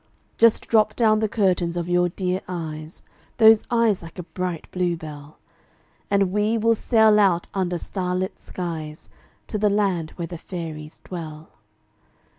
Just drop down the curtains of your dear eyes Those eyes like a bright bluebell, And we will sail out under starlit skies, To the land where the fairies dwell.